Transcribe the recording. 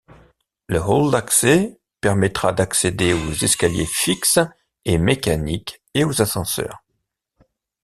Le hall d'accès permettra d'accéder aux escaliers fixes et mécaniques et aux ascenseurs.